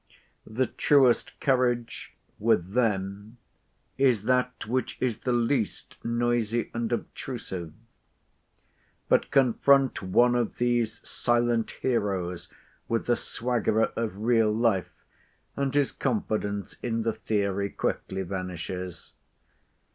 The truest courage with them is that which is the least noisy and obtrusive. But confront one of these silent heroes with the swaggerer of real life, and his confidence in the theory quickly vanishes.